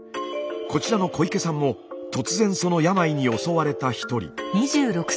こちらの小池さんも突然その病に襲われた一人。